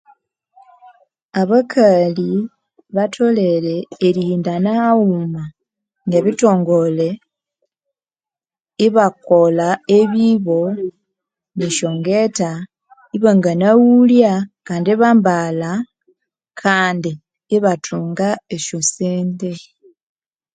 Abakali batholere erihindana haghuma nebithongole ibakolha ebibo, nesyongetha, ibangana ghulya kandi ibambalha kandi ibathunga esyo sente.